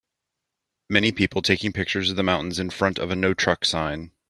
many people taking pictures of the mountains in front of a no truck sign